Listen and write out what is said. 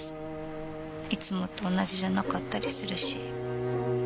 いつもと同じじゃなかったりするし。